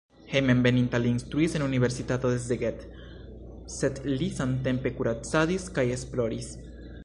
Hejmenveninta li instruis en universitato de Szeged, sed li samtempe kuracadis kaj esploris.